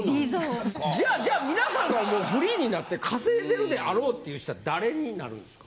じゃあ皆さんが思うフリーになって稼いでるであろうっていう人は誰になるんですか？